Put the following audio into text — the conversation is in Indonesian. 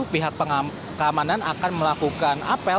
pihak pengamanan akan melakukan apel